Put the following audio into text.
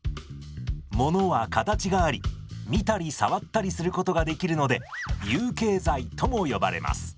ものは形があり見たり触ったりすることができるので有形財とも呼ばれます。